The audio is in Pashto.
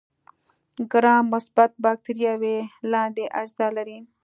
ګرام مثبت بکټریاوې لاندې اجزا لري.